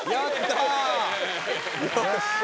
よっしゃ